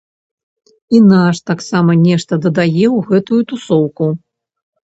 І наш таксама нешта дадае ў гэтую тусоўку.